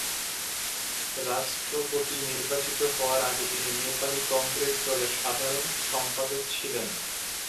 রাষ্ট্রপতি নির্বাচিত হওয়ার আগে তিনি নেপালি কংগ্রেস দলের সাধারণ সম্পাদক ছিলেন।